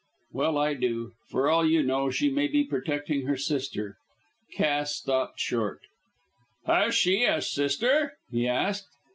"Well, I do. For all you know she may be protecting her sister." Cass stopped short. "Has she a sister?" he asked.